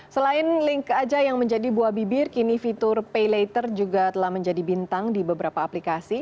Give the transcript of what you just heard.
selain link aja yang menjadi buah bibir kini fitur pay later juga telah menjadi bintang di beberapa aplikasi